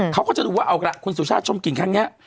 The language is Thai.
เขาก็จะดูว่าเอาล่ะคุณสุชาติชมกลิ่นครั้งนี้